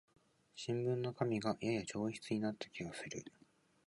新聞の紙がやや上質になった気がする